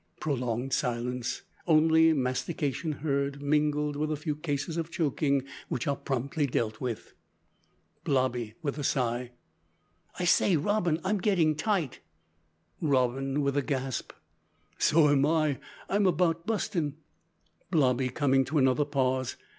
(Prolonged silence. Only mastication heard, mingled with a few cases of choking, which are promptly dealt with.) (Blobby, with a sigh.) "I say, Robin, I'm gettin' tight." (Robin, with a gasp.) "So am I; I'm about bustin'." (Blobby, coming to another pause.)